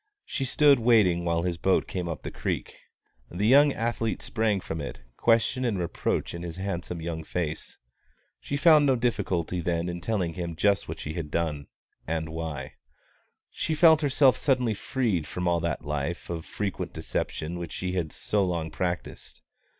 She stood waiting while his boat came up the creek. The young athlete sprang from it, question and reproach in his handsome young face. She found no difficulty then in telling him just what she had done, and why. She felt herself suddenly freed from all that life of frequent deception which she had so long practised.